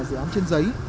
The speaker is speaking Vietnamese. dự án trên giấy